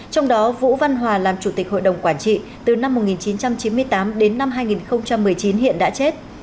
trong đó vũ văn hòa làm chủ tịch hội đồng quản trị từ năm một nghìn chín trăm chín mươi tám đến năm hai nghìn một mươi chín hiện đã chết